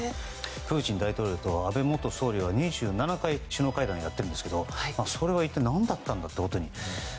プーチン大統領と安倍元総理は２７回、首脳会談をやっているんですがそれは一体何だったんだということに。